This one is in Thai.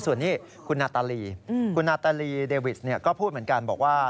ส่วนนี้คุณนาตาลีคุณนาตาลีเดวิสก็พูดเหมือนกันบอกว่า